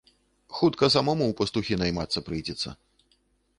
Хутка самому ў пастухі наймацца прыйдзецца.